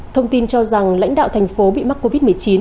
thông tin cho rằng lãnh đạo thành phố bị mắc covid một mươi chín